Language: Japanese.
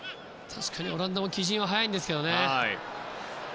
確かにオランダも帰陣は早いんですけどね。